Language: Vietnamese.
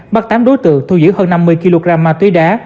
bắt tám đối tượng thu giữ hơn năm mươi kg ma túy đá